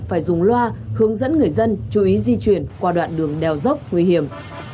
phải dùng loa hướng dẫn người dân chú ý di chuyển qua đoạn đường đèo dốc nguy hiểm